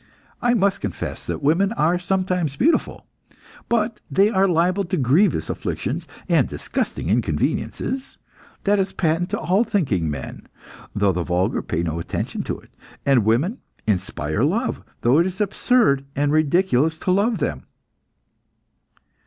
I must confess that women are sometimes beautiful. But they are liable to grievous afflictions, and disgusting inconveniences. That is patent to all thinking men, though the vulgar pay no attention to it. And women inspire love, though it is absurd and ridiculous to love them."